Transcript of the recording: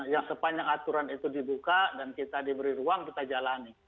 yang sepanjang aturan itu dibuka dan kita diberi ruang kita jalani